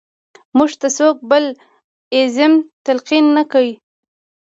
موږ ته څوک بل ایزم تلقین نه کړي.